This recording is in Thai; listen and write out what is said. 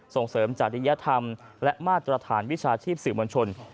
ส่งเสริมจริยธรรมและมาตรฐานวิชาชีพสื่อมวลชน